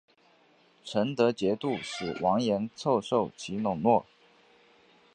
成德节度使王廷凑受其笼络。